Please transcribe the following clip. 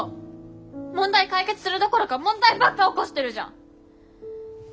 問題解決するどころか問題ばっか起こしてるじゃん！